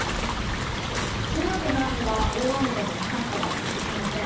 金曜日の雨は大雨でも長くは続きません。